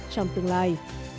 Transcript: trong tương lai